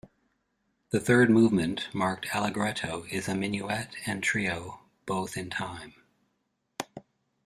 The third movement, marked Allegretto, is a minuet and trio, both in time.